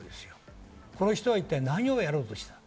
この人は一体何をやろうとしているか。